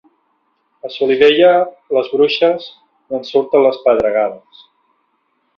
A Solivella, les bruixes, d'on surten les pedregades.